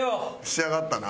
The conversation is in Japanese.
仕上がったな。